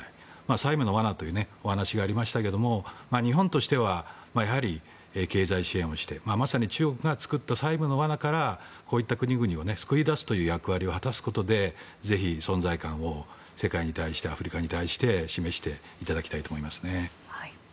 債務の罠というお話がありましたけども日本としてはやはり経済支援をしてまさに中国が作った債務の罠からこういった国々を救い出すという役割を果たすことで、ぜひ存在感を世界に対してアフリカに対して示していただきたいと思います。